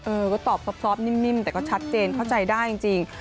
เออก็ตอบซอบนิ่มแต่ก็ชัดเจนเข้าใจได้จริง